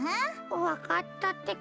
わかったってか。